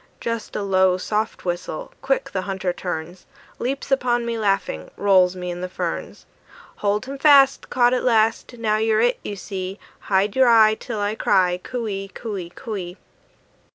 Just a low, soft whistle, quick the hunter turns, Leaps upon me laughing, rolls me in the ferns. "Hold him fast, "Caught at last! "Now you're it, you see. "Hide your eye, "Till I cry, "Coo ee, coo ee, coo ee!"